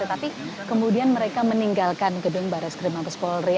tapi kemudian mereka meninggalkan gedung bareskrim mabes polri